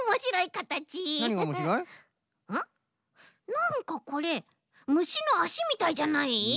なんかこれむしのあしみたいじゃない？